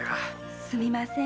すみません。